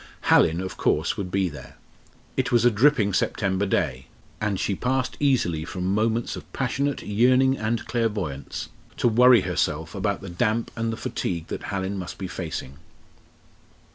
Hallin, of course, would be there. It was a dripping September day, and she passed easily from moments of passionate yearning and clairvoyance to worry herself about the damp and the fatigue that Hallin must be facing.